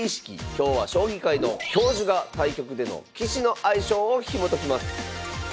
今日は将棋界の教授が対局での棋士の相性をひもときます